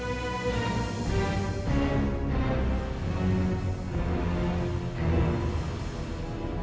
saya berharap rencana ini bisa berjalan lebih cepat pak